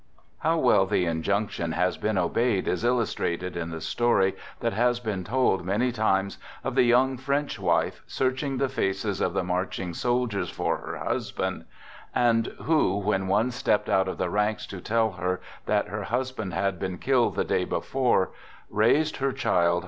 " How well the injunction has been obeyed is illus \ trated in the story that has been told many times of a the young French wife, searching the faces of the 1 marching soldiers for her husband; and who, when' "C one stepped out of the ranks to tell her that her hus j band had been killed the day before, raised her child!